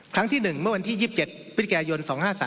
ครั้งที่๑เมื่อวันที่๒๗วิทยาโยน๒๕๓๔